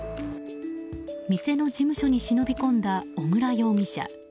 店の事務所に忍び込んだ小椋容疑者。